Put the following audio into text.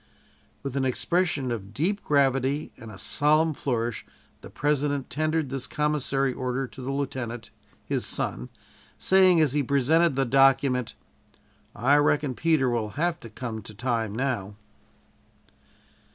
With an expression of deep gravity and a solemn flourish, the President tendered this Commissary Order to the lieutenant, his son, saying as he presented the document: "I reckon Peter will have to come to time now."